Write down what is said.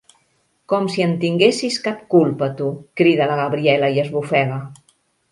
Com si en tinguessis cap culpa, tu! –crida la Gabriela, i esbufega–.